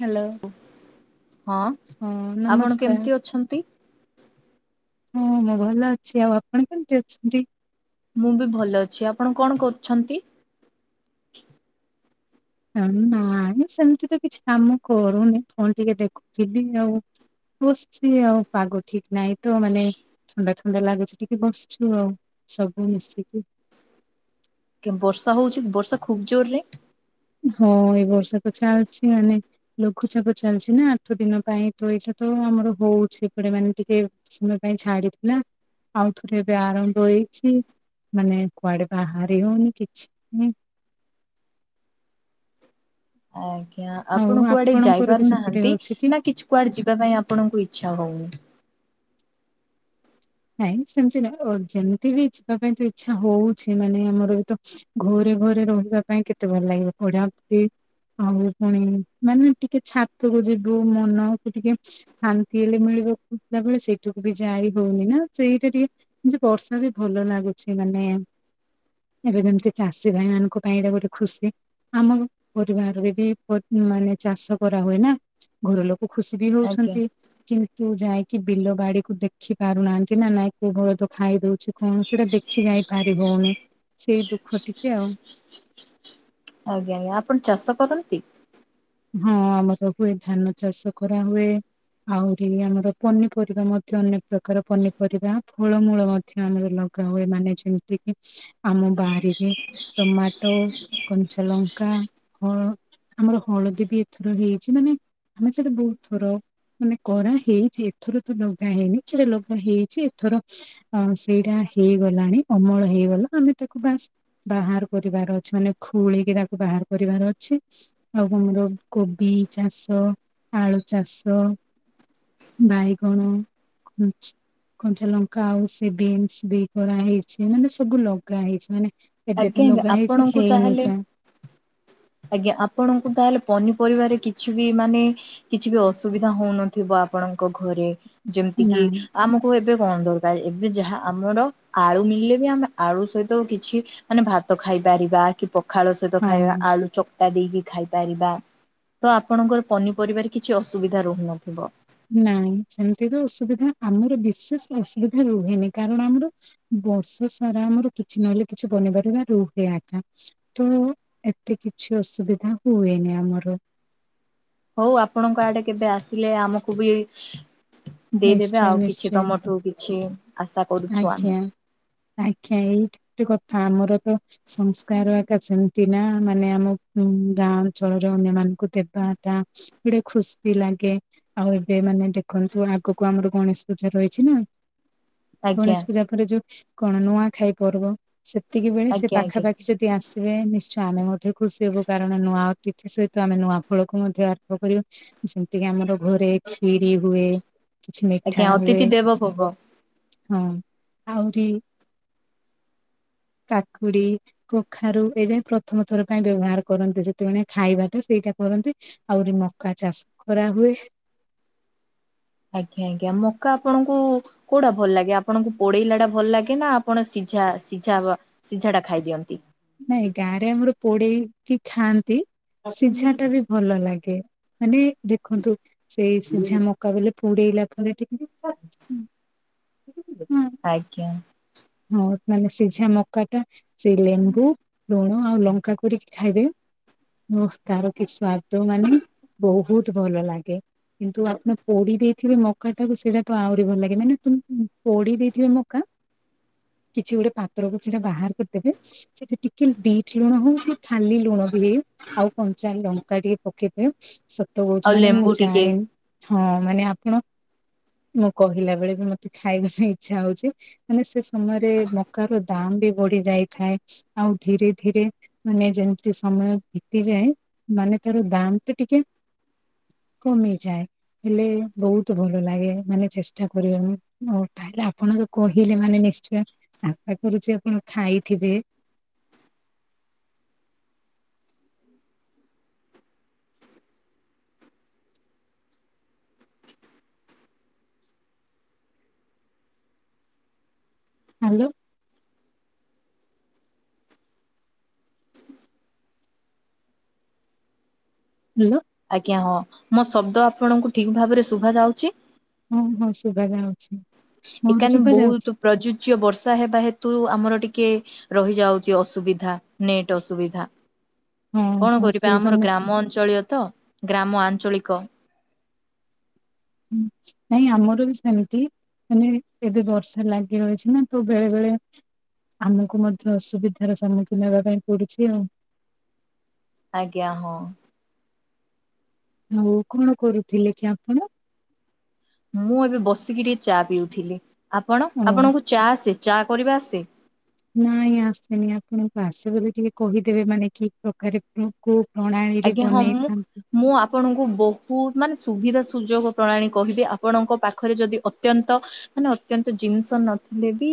Hello ହଁ ଆପଣ କେମିତି ଅଛ ହଁ ମୁଁ ଭଲ ଅଛି ଆଉ ଆପଣ କେମିତି ଅଛନ୍ତି? ମୁଁ ବି ଭଲ ଅଛି ଆପଣ କଣ କରୁଛନ୍ତି? ନାଇ ସେମିତିତ କିଛି କାମ କରୁନି ଫୋନ୍ ଟିକେ ଦେଖୁଥିଲି ଆଉ। ବସିଚି ଆଉ ପାଗ ଠିକ୍ ନାହିଁତ ମାନେ ଥଣ୍ଡା ଥଣ୍ଡା ଲାଗୁଚି ଟିକେ ବସଛୁ ଆଉ ସବୁ ମିଶିକି। କେ ବର୍ଷା ହଉଚି ବର୍ଷା ଖୁବ୍ ଜୋରେ। ହଁ ଏଇ ବର୍ଷାତ ଚାଲିଚି ମାନେ ଲଘୁଚାପ ଚାଲିଚିନା ଆଠ ଦିନ ପାଇଁ ତଏଇଟାତ ଆମର ହଉଚି ଏପଟେ ମାନେ ଟିକେ କିଛି ସମୟ ପାଇଁ ଛାଡ଼ିଥିଲା। ଆଉ ଥରେ ଏବେ ଆରମ୍ଭ ହେଇଚି ମାନେ କୁଆଡ଼େ ବାହାରି ହଉନି କିଛିନାହିଁ। ଆଜ୍ଞା ଆଉ ଆପଣ କୁଆଡ଼େ ଯାଇ ଆପଣଙ୍କର ବି ସେପଟେ ପାରୁନାହାନ୍ତି ହଉଛି କି? ନାକିଛି କୁଆଡ଼େ ଯିବା ପାଇଁ ଆପଣଙ୍କୁ ଇଚ୍ଛା ହଉନି? ନାଇଁ ସେମିତି ନାଇଁ ଯେମିତିବି ଯିବା ପାଇଁତ ଇଚ୍ଛା ହଉଛି ମାନେ ଆମର ବିତ ଘରେ ଘରେ ରହିବା ପାଇଁ କେତେ ଭଲ ଲାଗିବ ଭଡ଼ାଫ୍ରି ଆଉ ପୁଣି ମାନେ ଟିକେ ଛାତକୁ ଯିବୁ ମନକୁ ଟିକେ ଶାନ୍ତି ହେଲେ ମିଳିବାକୁ ତାବେଳେ ସେଇଠାକୁବି ଯାଇ ହଉନିନା। ସେଇଟା ଟିକେ ଯେ ବର୍ଷା ରେ ଭଲ ଲାଗୁଛି ମାନେ ଏବେ ଯେମ୍ତି ଚାଷୀ ଭାଇ ମାନଙ୍କ ପାଇଁ ଏଇଟା ଗୋଟେ ଖୁସି। ଆମ ପରିବାରରେ ବି ମାନେ ଚାଷ କରା ହୁଏ ନା ଘର ଲୋ କ ଖୁସି ବି ଆଜ୍ଞା ହଉଛନ୍ତି କିନ୍ତୁ ଯାଇକି ବିଲ ବାଡିକୁ ଦେଖି ପାରୁନାହାନ୍ତି। କି ନା ନାଇଁ କୋଉ [unintelligible] ତ ଖାଇ ଦଉଛି କଣ ସେଟା ଦେଖି ଯାଇ ପାରି [unintelligible] ସେଇ ଦୁଃଖ ଟିକେ ଆଉ। ଆଜ୍ଞା-ଆଜ୍ଞା, ଆପଣ ଚାଷ କରନ୍ତି? ହଁ ଆମର ହୁଏ ଧାନ ଚାଷ କରାହୁଏ। ଆହୁରି ଆମର ପନିପରିବା ମଧ୍ୟ ଅନେକ ପ୍ରକାର ପନିପରିବା ଫଳମୂଳ ମ ଧ୍ୟ ଆମର ଲଗା ହୁଏ ମାନେ ଯେମ୍ତି କି ଆମ ବାରିରେ ଟମାଟୋ, କଞ୍ଚାଲଙ୍କା [unintelligible] ଆମର ହଳଦୀ ବି ଏଥର ହେଇଚି ମାନେ ଆମେ ସେଠି ବହୁତ୍ ଥର ମାନେ କରା ହେଇଚି ଏଥର ତ ଲଗା ହେଇନି [unintelligible] ଲଗା ହେଇଚି ଏଥର ହଁ ସେଇଟା ହେଇଗଲାଣି ଅମଳ ହେଇଗଲା ଆମେ ତାକୁ ବାସ୍ ବାହାର୍ କରିବାର ଅଛି ମାନେ ଖୋଳିକି ତାକୁ ବାହାର୍ କରିବାର ଅଛି। ଆଉ ଆମର କୋବି ଚାଷ, ଆଳୁ ଚାଷ ବାଇଗଣ, କନ୍ଚ କଞ୍ଚା ଲଙ୍କା ଆଉ ସେ ବିନ୍ସ ବି କରାହେଇଚି, ମାନେ ସବୁ ଲଗା ହେଇଚି ମାନେ ଏବେ ଆଜ୍ଞା ତ ଆଜ୍ଞା ଲଗା ହେଇଚି, ଆପଣଙ୍କୁ ହେଇନି ତାହେଲେ ତା। ଆଜ୍ଞା ଆପଣଙ୍କୁ ତାହେଲେ ପନିପରିବାରେ କିଛି ବି ମାନେ କିଛି ବି ଅସୁବିଧା ହଉନ ଥିବ ଆପଣଙ୍କ ଘରେ, ଯେମ୍ତି କିି ନାଇଁ ଆମକୁ ଏବେ କଣ ଦରକାର୍, ଏବେ ଯାହା ଆମର ଆଳୁ ମିଳିଲେ ବି ଆମେ ଆଳୁ ସହିତ କିଛି ମାନେ ଭାତ ଖାଇପାରିବା କି ପଖାଳୁ ସହିତ ଖାଇବା ହଁ ଆଳୁ ଚ କ୍ଟା ଦେଇକି ଖାଇପାରିବା, ତ ଆପଣଙ୍କର ପନିପରିବାରେ କିଛି ଅସୁବିଧା ରହୁନଥିବ। ନାଇଁ ସେମ୍ତି ତ ଅସୁବିଧା ଆମର ବିଶେଷ ଅସୁବିଧା ରୁହେନି, କାରଣ ଆମର ବର୍ଷ ସାରା ଆମର କିଛି ନହେଲେ କିଛି ପନିପରିବା ରୁହେ [unintelligible] ତ ଏତେ କିଛି ଅସୁବିଧା ହୁଏନି ଆମର। ହଉ ଆପଣଙ୍କ ଆଡେ କେବେ ଆସିଲେ ଆମକୁ ବି ଦେଇଦେବେ ନିଶ୍ଚୟ ଆଉ କିଛି ନିଶ୍ଚୟ ତମଠୁ କିଛି ଆଶା କରୁଛୁ ଆମେ ଆଜ୍ଞା ଆଜ୍ଞା ଏଇଟା ଗୋଟେ କଥା, ଆମର ତ ସଂସ୍କାର ସେମ୍ତି ନା, ମାନେ ଆମ ଗାଁ ଅଞ୍ଚଳରେ ଅନ୍ୟମାନଙ୍କୁ ଦେବା ତା ଗୋଟେ ଖୁସି ବି ଲାଗେ, ଆଉ ଏବେ ମାନେ ଦେଖନ୍ତୁ ଆଗକୁ ଆମର ଗଣେଶ ପୂଜା ରହିଚି ନା। ଆଜ୍ଞା ଗଣେଶ ପୂଜା ପରେ ଯୋଉ କଣ ନୂଆଖାଇ ପର୍ବ, ସେତିକି ବେଳେ ସେ ଆଜ୍ଞା ଆଜ୍ଞା ପାଖାପା ଯଦି ଆସିବେ ନିଶ୍ଚୟ ଆମେ ମଧ୍ୟ ଖୁସି ହେବୁ କାରଣ ନୂଆ ଅତିଥି ସହିତ ଆମେ ନୂଆ ଫଳକୁ ମଧ୍ୟ ଆରମ୍ଭ କରିବୁ। ଯେମ୍ତିକି ଆମର ଘରେ କ୍ଷୀରି ହୁଏ। କିଛି ମିଠା ଆଜ୍ଞା, ହୁଏ ଅତିଥି ଦେବ ଭବ। ହଁ, ଆହୁରି କାକୁଡି କଖାରୁ [unintelligible] ପ୍ରଥମ ଥର ପାଇଁ ବ୍ୟବହାର କରନ୍ତି, ଯେତେବେଳେ ଖାଇବାଟା ସେଇଟା କରନ୍ତି। ଆହୁରି ମକା ଚାଷ କରାହୁଏ। ଆଜ୍ଞା-ଆଜ୍ଞା, ମକା ଆପଣଙ୍କୁ କୋଉଟା ଭଲ୍ ଲାଗେ, ଆପଣଙ୍କୁ ପୋଡେଇଲା ଟା ଭଲ୍ ଲାଗେ ନା ଆପଣ ସିଝା-ସିଝା ସିଝାଟା ଖାଇ ଦିଅନ୍ତି। ନାଇଁ ଗାଁରେ ଆମର ପୋଡେଇକି ଖାଆନ୍ତି, ସିଝାଟା ବି ଭଲ ଲାଗେ ମାନେ ଦେଖନ୍ତୁ ସେଇ ସିଝା ମ କବିଲ ପୁଡ଼ଲା। ଆଜ୍ଞା ହଉ ମାନେ ସିଝା ମକାଟା। ସେ, ଲେମ୍ବୁ, ଲୁଣ, ଆଉ ଲଙ୍କା କରିକି ଖାଇଦେବେ। ତାର କି ସ୍ଵଦ ମାନେ ବହୁତ ଭଲ ଲାଗେ। କିନ୍ତୁ ଆପଣ ପୋଡି ଦେଇଥିବେ ମକା ଟାକୁ ସେଟା ତ ଆହୁରି ଭଲ ଲାଗେ ମାନେ ପୋଡି ଦେଇଥିବେ ମକା କିଛି ଗୋଟେ ପାତ୍ରକୁ ସେଟା ବାହାର କରିଦେବେ ସେଠି ଟିକେ ବିଟ ଲୁଣ ହଉ କି ଖାଲି ଲୁଣ ବି ହେଇ ଆଉ କଞ୍ଚା ଲଙ୍କା ଟିକେ ପକେଇଦିଏ। ଆଉ ତ ମାନେ ମୁଁ ଲେମ୍ବୁ ଟିକେ ଜାଣିନି ହଁ ମାନେ ଆପଣ ମୁଁ କହିଲା ବେଳେ ବି ମତେ ଖାଇବା ପାଇଁ ଇଚ୍ଛା ହଉଛି ମାନେ ସେ ସମୟରେ ମକାର ଦାମ୍ ବି ବଢି ଯାଇଥାଏ। ଆଉ ଧୀରେ ଧୀରେ ମାନେ ଯେମିତି ସମୟ ବିତିଯାଏ। ମାନେ ତର ଦାମ ତ ଟିକେ କମିଯାଏ। ହେଲେ ବହୁତ ଭଲ ଲାଗେ ମାନେ ଚେଷ୍ଟା କରିବା ମୁ ହଉ ତାହେଲେ ଆପଣ ତ କହିଲେ ମାନେ ନିଶ୍ଚୟ ଆଶା କରୁଛି ଆପଣ ଖାଇଥିବେ। ହ୍ୟାଲୋ ହ୍ୟାଲୋ ଆଜ୍ଞା ହଁ ମୋ ଶବ୍ଦ ଆପଣଙ୍କୁ ଠିକ ଭାବରେ ଶୁଭା ଯାଉଛି। ହଁ ହୋ ସୁବା ଯାଉଛି। ଏ ମୋର କାନି ଶୁଭା ଯାଉଛି ବହୁତ୍ ପ୍ରଯୁଜ୍ୟ ବର୍ଷା ହେବା ହେତୁ ଆମର ଟିକେ ରହିଯାଉଛି ଅସୁବିଧା ନେଟ ଅସୁବିଧା ହଁ କଣ ହଁ ସେ କରିବା ଆମର ସମସ୍ତ ଗ୍ରାମ ଅଞ୍ଚଳୀୟ ତ ଗ୍ରାମ ଆଞ୍ଚଳିକ ହଁ ନାଇଁ ଆମର ବି ସେମିତି ମାନେ ଏବେ ବର୍ଷା ଲାଗି ରହିଛି ନା ତୁ ବେଳେ ବେଳେ ଆମକୁ ମଧ୍ୟ ଅସୁବିଧାର ସମ୍ମୁଖୀନ ହେବା ପାଇଁ ପଡୁଛି ଆଉ ଆଜ୍ଞା ହଁ ହଉ କଣ କରୁଥିଲେ କି ଆପଣ ମୁଁ ଏବେ ବସିକି ଟିକେ ଚା ପିଉଥିଲି ଆପଣ ଓ ଆପଣଙ୍କୁ ଚା ଆସେ ଚା କରିବା ଆସେ। ନାଇଁ ଆସେନି ଆପଣଙ୍କୁ ଆସେ ବୋଲି ଟିକେ କହିଦେବେ ମାନେ କି ପ୍ରକରକୋ ଆଜ୍ଞା ହଁ ମୁଁ ମୁଁ ଆପଣଙ୍କୁ ବହୁତ ମାନେ ସୁବିଧା ସୁଯୋଗ ପ୍ରଣାଳୀ କହିବି ଆପଣଙ୍କ ପାଖରେ ଯଦି ଅତ୍ୟନ୍ତ ମାନେ ଅତ୍ୟନ୍ତ ଜିନିଷ ନଥିଲେ ବି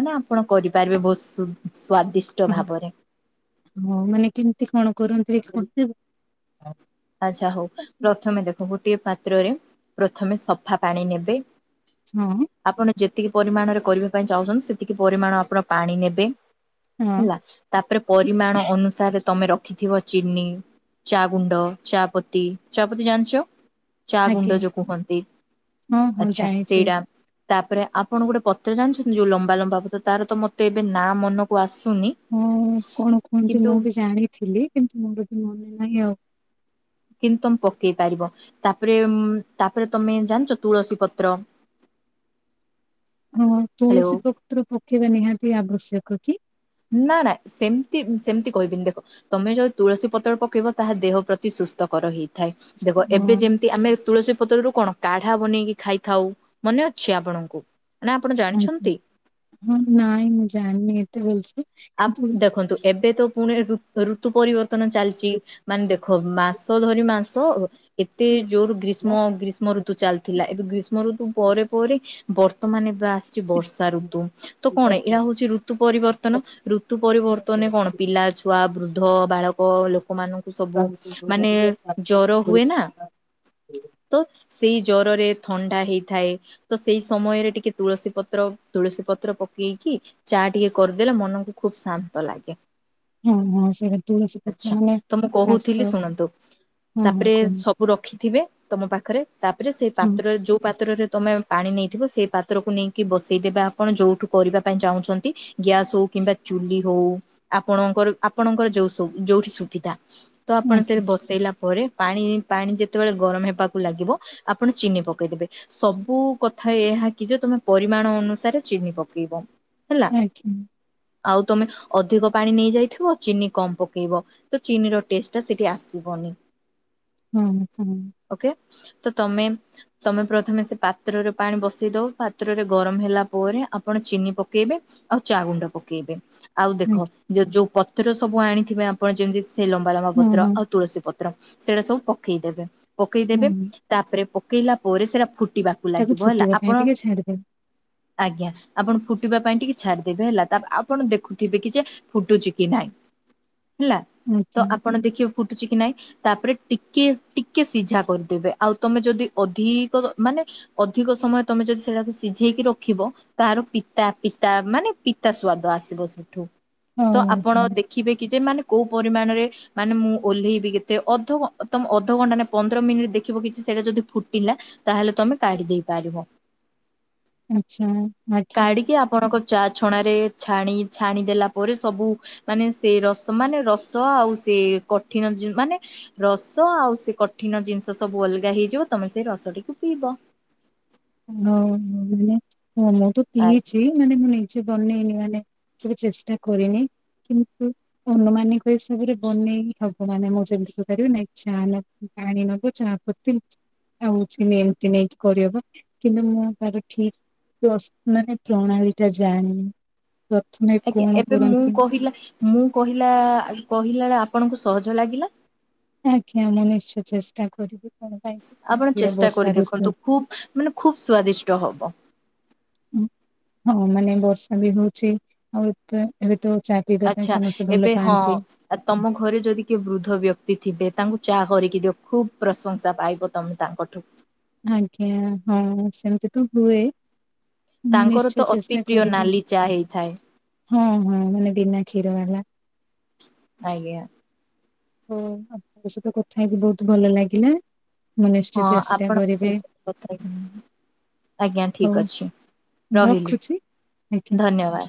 ମାନେ ଆପଣ କରିପାରିବେ ବହୁତ ସ୍ଵାଦିଷ୍ଟ ହଁ ଭାବରେ ହଁ ମାନେ କେମିତି କଣ କରନ୍ତି? ଆଚ୍ଛା ହଉ ପ୍ରଥମେ ଦେଖ ଗୋଟିଏ ପାତ୍ରରେ ପ୍ରଥମେ ସଫା ପାଣି ନେବେ। ହଁ ଆପଣ ଯେତିକି ପରିମାଣରେ କରିବା ପାଇଁ ଚାହୁଁଛନ୍ତି ସେତିକି ପରିମାଣ ଆପଣ ପାଣି ନେବେ। ହଁ ହେଲା ତାପରେ ପରିମାଣ ଅନୁସାରେ ତମେ ରଖିଥିବ। ଚିନି ଚା ଗୁଣ୍ଡ ଚାପତି ଚାହାପତି ଜାଣିଛ। ଚା ଗୁଣ୍ଡ ଆଜ୍ଞା ଯୋଉ କୁହନ୍ତି ହଁ ହଁ ଆଛା ଜାଣିଛି। ସେଇଟା ତାପରେ ଆପଣ ଗୋଟେ ପତ୍ର ଜାଣିଛନ୍ତି ଯୋଉ ଲମ୍ବା ଲମ୍ବା ପତ୍ର ତାର ତ ମତେ ଏବେ ନା ମନକୁ ଆସୁନି ହଁ କଣ କୁହନ୍ତିୁ କିନ୍ତୁ ମୁଁ ବି ଜାଣିଥିଲି କିନ୍ତୁ ମୋର ବି ମନେ ନାହିଁ ଆଉ କିନ୍ତୁ ତମେ ପକେଇ ପାରିବ ତାପରେ ତାପରେ ତମେ ଜାଣିଛ ତୁଳସୀ ପତ୍ର। ହଁ ହ୍ୟାଲୋ ତୁଳସୀ ପତ୍ର ପକେଇବା ନିହାତି ଆବଶ୍ୟକ କି ନା ନା ସେମିତି ସେମିତି କହିବିନି ଦେଖ। ତମେ ଯଦି ତୁଳସୀ ପତ୍ର ପକେଇବ ତାହା ଦେହ ପ୍ରତି ସୁସ୍ଥକର ହେଇ ଥାଏ ଦେଖ ହଁ ଏବେ ଯେମିତି ଆମେ ତୁଳସୀ ପତ୍ରରୁୁ କଣ କାଢା ବନେଇକି ଖାଇଥାଉ ମନେ ଅଛି ଆପଣଙ୍କୁ ନାଁ ଆପଣ ଆଜ୍ଞା ଜାଣିଛନ୍ତି? ହଁ ନାଇଁ ମୁଁ ଜାଣିନି ଏତେ ଭଲସେ। ଆ କିନ୍ତୁ ଦେଖନ୍ତୁ ଏବେ ତ ପୁଣି ରୁ ଋତୁ ପରିବର୍ତ୍ତନ ଚାଲିଚି ହଁ ମାନେ ଦେଖ ମାସ ଧରି ମାସ ଏତେ ଜୋର ଗ୍ରୀଷ୍ମ ଗ୍ରୀଷ୍ମ ଋତୁ ଚାଲିଥିଲା ଏବେ ଗ୍ରୀଷ୍ମ ଋତୁ ପରେ ପରେ ବର୍ତ୍ତମାନେ ଏବେ ଆସିଛି ବର୍ଷା ଋତୁ ତ କଣ ଏହା ହଉଛି ଋତୁ ପରିବର୍ତ୍ତନ ଋତୁ ପରିବର୍ତ୍ତନେ ହଁ କଣ ପିଲା ଛୁଆ ବୃଦ୍ଧ ବାଳ କ ଲୋକମାନଙ୍କୁ ସବୁ ମାନେ ଜର ହୁଏ ନା ତ ସେଇ ଜରରେ ଥଣ୍ଡା ହେଇଥାଏ ତ ସେଇ ସମୟରେ ଟିକେ ତୁଳସୀ ପତ୍ର ତୁଳସୀ ପତ୍ର ପକେଇକି ଚା ଟିକେ କରିଦେଲେ ମନକୁ ଖୁବ ଶାନ୍ତ ଲାଗେ। ସେଇଟା ତୁଳସୀ ପତ୍ର ଆଛା ମାନେ ତ ମୁଁ ଚାଷ କହୁଥିଲି ଶୁଣନ୍ତୁ ହଁ ହଁ ତାପରେ କୁହନ୍ତୁ ସବ ରଖିଥିବେ ତମ ପାଖରେ ତାପରେ ସେଇ ପାତ୍ର ଯୋଉ ପାତ୍ରରେ ତମେ ପାଣି ନେଇଥିବ ସେ ପାତ୍ରକୁ ନେଇକି ବସେଇଦେବେ ଆପଣ ଯଉଠୁ କରିବା ପାଇଁ ଚାହୁଁଛନ୍ତି ଗ୍ୟାସ୍ ହଉ କିମ୍ବା ଚୁଲି ହଉ ଆପଣଙ୍କର ଆପଣଙ୍କର ଯୋଉ ସବୁ ଯୋଉଠି ସୁବିଧା ତ ହଁ ଆପଣ ସେଠେ ଆଜ୍ଞା ବସେଇଲା ପରେ ପାଣି ପାଣି ଯେତେବେଳେ ଗରମ ହେବାକୁ ଲାଗିବ ଆପଣ ଚିନି ପକେଇଦେବେ। ସବୁ କଥା ଏହା କି ଯେ ତମେ ପରିମାଣ ଅନୁସାରେ ଚିନି ପକେଇବ ହେଲା। ଦେ୍ [inaudible] ଆଉ ତମେ ଅଧିକ ପାଣି ନେଇଯାଇଥିବ ଚିନି କମ ପକେଇବ। ତ ଚିନିର ଟେଷ୍ଟ ଟା ସେଠି ଆସିବନି। ହୁଁ ହୁଁ। ଓକେ ତ ତମେ। ତମେ ପ୍ରଥମେ ସେ ପାତ୍ରରେ ପାଣି ବସେଇ ଦଉ ପାତ୍ରରେ ଗରମ ହେଲା ପରେ ଆପଣ ଚିନି ପକେଇବେ। ଆଉ ଚା ଗୁଣ୍ଡ ପକ ପକେଇବେ ଆଉ ଦେଖ ଆଜ୍ଞା ଯୋ ଯୋଉ ପତ୍ର ସବୁ ଆଣିଥିବେ ଆପଣ ଯେମତି ସେ ଲମ୍ବା ଲମ୍ବା ହଁ ପତ୍ର ହଁ ଆଉ ତୁଳସୀ ପତ୍ର ସେଡା ସବୁ ପକେଇଦବେ ପକେଇଦେବେ ହଁ ତାପରେ ପକେଇଲା ପରେ ସେଟା ଫୁଟିବାକୁ ତାକୁ ଲାଗିବ ହେଲା ଫୁଟିବା ପାଇଁ ଆପଣ ଟିକେ ଛାଡିଦେବେ ଆଜ୍ଞା ଆପଣ ଫୁଟିବା ପାଇଁ ଟିକେ ଛାଡିଦେବେ ହେଲା। ତା ଆପଣ ଦେଖୁଥିବେ କି ଜେ ଫୁଟୁଛି କି ନାହିଁ ହେଲା ତ ଆଜ୍ଞା ଆପଣ ଆଜ୍ଞା। ଦେଖିବେ ଫୁଟୁଛି କି ନାଇଁ ତାପରେ ଟିକେ ଟିକେ ସିଝା କରିଦେବେ ଆଉ ତମେ ଯଦି ଅଧିକ ମାନେ ଅଧିକ ସମୟ ତମେ ଯଦି ସେଟାକୁ ସିଝେଇକି ରଖିବ ତାହାର ପିତା ପିତା ମାନେ ପି ତା ସ୍ୱାଦ ଆସିବ ସେଠୁ ହଉ ତ ଆପଣ ହଉ ଦେଖିବେ କି ଯେ ମାନେ କୋଉ ପରିମାଣରେ ମାନେ ମୁଁ ଓହ୍ଲେଇବି କେତେ ଅଧ ତମ ଅଧଘଣ୍ଟା ନା ପନ୍ଦର ମିନିଟ ଦେଖିବ କିଛି ସେଇଟା ଯଦି ଫୁଟିଲା ତାହେଲେ ତମେ କାଢି ଦେଇ ପାରିବ। ଆଚ୍ଛା ଆଜ୍ଞା। କାଡିକି ଆପଣଙ୍କ ଚାଛ ଛଣାରେ ଛାଣି ଛାଣି ଦେଲା ପରେ ସବୁ ମାନେ ସେ ରସ ମାନେ ରସ ଆଉ ସେ କଠିନ ମାନେ ରସ ଆଉ ସେ କଠିନ ଜିନିଷ ସବୁ ଅଲଗା ହେଇଯିବ ତମେ ସେଇ ରସ ଟିକୁୁ ପିଇବ। ହଁ ମାନେ ହ ମୁଁ ତ ଆ ପିଇଛି ମାନେ ମୁଁ ନିଜେ ବନେଇନି ମାନେ କେବେ ଚେଷ୍ଟା କରନି କିନ୍ତୁ ଅନୁମାନିକ ହିସାବରେ ବନେଇ ହବ ମାନେ ମୁଁ ଯେମିତି କରିପାରିବି ଇଚ୍ଛାହେଲା ଜାଣି ନବ ଚାହାପତି ଆଉଚ ଏମିତି ନେଇକି କରିହେବ। କିନ୍ତୁ ମୁଁ ତାର ଠିକ ମାନେ ପ୍ରଣାଳୀ ଟା ଜାଣି ପ୍ରଥମେ ଆଜ୍ଞା କଣ ଏବେ ମୁଁ କରନ୍ତି? କହିଲା ମୁଁ କହିଲା କହିଲା ବଳେ ଆପଣଙ୍କୁ ସହଜ ଲାଗିଲା। ଆଜ୍ ଆମଁ ନିଶ୍ଚୟ ଚେଷ୍ଟା କରିବୁ। ଆପଣ ଚେଷ୍ଟା କରି ଦେଖନ୍ତୁ ଖୁବ ମାନେ ଖୁବ ସ୍ଵାଦିଷ୍ଟ ହବ। ହଁ ମାନେ ବର୍ଷା ବି ହଉଛି। ଆଉ ଏ ଏବେ ତ ଚା ପିଇବା ପାଇଁ ଆଚ୍ଛା ସମସ୍ତେ ଏବେ ଭଲ ହଁ ପାଆନ୍ତି। ଆ ତମ ଘରେ ଯଦି କିଏ ବୃଦ୍ଧ ବ୍ୟକ୍ତି ଥିବେ ତାଙ୍କୁ ଚା କରିକି ଦିଅ ଖୁବ ପ୍ରଶଂସା ପାଇବ ତମେ ତାଙ୍କଠୁ ଆଜ୍ଞା ହଁ ସେମତି ତୁ ହୁଏ। ମୁଁ ତାଙ୍କର ନିଶ୍ଚୟ ତ ଚେଷ୍ଟା ଅତି ପ୍ରିୟ କରିବି ନାଲି ଚା ହେଇଥାଏ। ହଁ ହଁ ମାନେ ବିନା କ୍ଷୀର ବାଲା। ଆଜ୍ଞା ହ ଆପଣଙ୍କ ସହିତ କଥା ହେଇକି ବହୁତ ଭଲ ଲାଗିଲା। ମୁଁ ନିଶ୍ଚୟ ହଁ ଚେଷ୍ଟା ଆପଣଙ୍କ କରିବି। ସହିତ କଥା ହେଇକି ଆଜ୍ଞା ଠିକ ହଉ ଅଛି ମୁଁ ରହିଲି ରଖୁଛି ଆଜ୍ଞା। ଧନ୍ୟବାଦ।